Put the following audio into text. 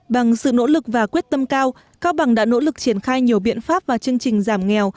bằng sự nỗ lực và quyết tâm cao cao bằng đã nỗ lực triển khai nhiều biện pháp và chương trình giảm nghèo